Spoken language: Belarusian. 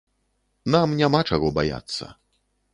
Нам няма чаго баяцца.